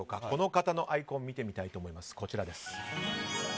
この方のアイコンを見てみたいと思います。